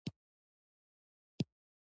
دې موضوعاتو ته د غور کولو پر ځای باید عمل وکړو.